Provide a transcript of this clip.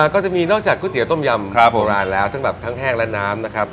ก็จะมีนอกจากก๋วยเตี๋ยวต้มยำอร่อยแล้วทั้งแห้งและน้ำนะครับ